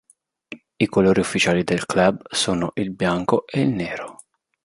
I colori ufficiali del club sono il bianco e il nero.